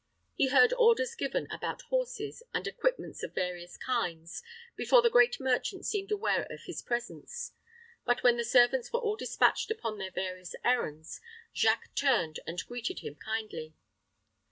He heard orders given about horses, and equipments of various kinds, before the great merchant seemed aware of his presence. But when the servants were all dispatched upon their various errands, Jacques turned and greeted him kindly.